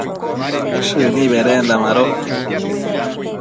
shëni bedenda mado